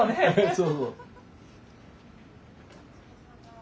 そうそう。